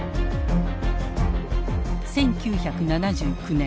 １９７９年。